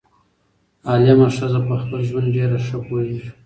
عالمه ښځه پخپل ژوند ډيره ښه پوهيږي